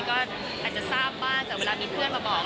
ก็อาจจะทราบบ้างแต่เวลามีเพื่อนมาบอก